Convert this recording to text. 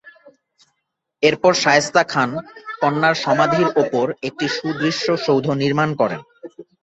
এরপর শায়েস্তা খান কন্যার সমাধির ওপর একটি সুদৃশ্য সৌধ নির্মাণ করেন।